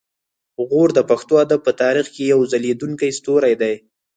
غور د پښتو ادب په تاریخ کې یو ځلیدونکی ستوری دی